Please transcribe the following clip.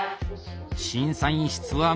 審査員室は無言。